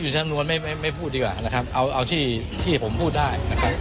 อ๋ออยู่ทางด้านด้านไม่ผมไม่พูดดีกว่านะครับเอาเอาที่ที่ผมพูดได้